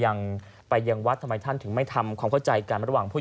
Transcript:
แต่ว่าอาจจะไม่รู้ว่าทางด้านคนที่น้องเรียนจะมีความเคลื่อนไหวต่อไปอย่างไร